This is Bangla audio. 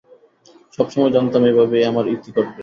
সবসময় জানতাম এভাবেই আমার ইতি ঘটবে।